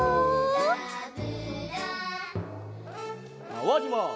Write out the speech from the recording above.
まわります。